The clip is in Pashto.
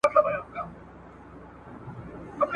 هره ښځه چي حجاب نه لري بې مالګي طعام ده